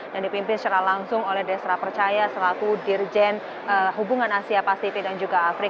yang dipimpin secara langsung oleh desra percaya selaku dirjen hubungan asli